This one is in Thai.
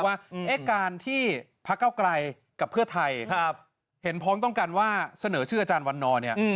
ว่าการที่พระเก้าไกลกับเพื่อไทยเห็นพ้องต้องกันว่าเสนอชื่ออาจารย์วันนอร์เนี่ย